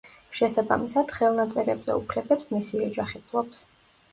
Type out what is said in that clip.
შესაბამისად, ხელნაწერებზე უფლებებს მისი ოჯახი ფლობს.